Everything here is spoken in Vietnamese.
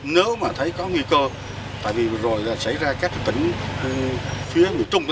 nếu mà thấy có nguy cơ tại vì vừa rồi là xảy ra các tỉnh phía miền trung